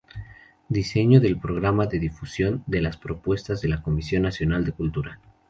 Diseño del programa de difusión de las propuestas de la Comisión Nacional de Cultura.